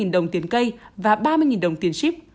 hai trăm linh đồng tiền cây và ba mươi đồng tiền ship